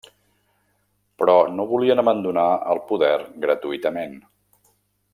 Però no volien abandonar el poder gratuïtament.